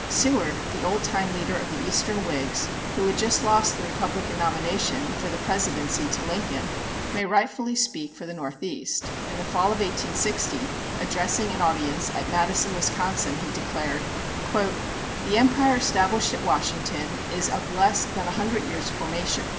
Seward, the old time leader of the Eastern Whigs who had just lost the Republican nomination for the presidency to Lincoln, may rightfully speak for the Northeast. In the fall of 1860, addressing an audience at Madison, Wisconsin, he declared:[199:1] The empire established at Washington is of less than a hundred years' formation.